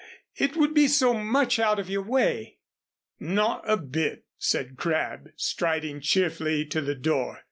It would be so much out of your way " "Not a bit," said Crabb, striding cheerfully to the door.